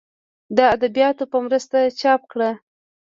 د اديبانو پۀ مرسته چاپ کړه